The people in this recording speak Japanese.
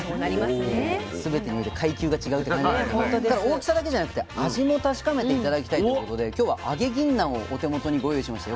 すべてにおいて階級が違うって感じなんですけどただ大きさだけじゃなくて味も確かめて頂きたいということで今日は揚げぎんなんをお手元にご用意しました。